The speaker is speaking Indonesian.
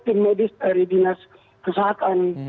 tim medis dari dinas kesehatan